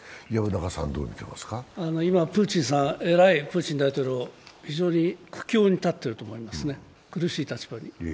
今、プーチン大統領、えらい苦境に立っていると思いますね、苦しい立場に。